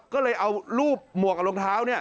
ก็เลยเอารูปหมวกกับรองเท้า